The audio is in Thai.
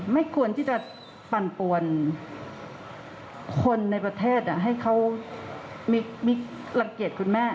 ไม่ควรที่จะปั่นปวนคนในประเทศให้เขามีรังเกียจคุณแม่